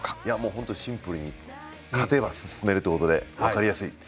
本当にシンプルに勝てば進めるということで分かりやすい。